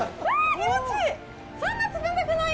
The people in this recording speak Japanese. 気持ちいい！